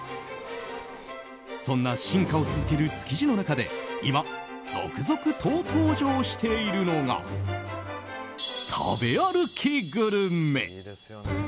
そんな進化を続ける築地の中で今、続々と登場しているのが食べ歩きグルメ。